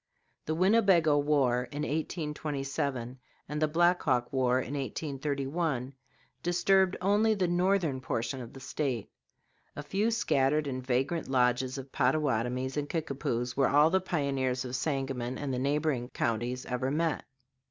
The Winnebago war in 1827 and the Black Hawk war in 1831 disturbed only the northern portion of the State. A few scattered and vagrant lodges of Pottawatomies and Kickapoos were all the pioneers of Sangamon and the neighboring counties ever met.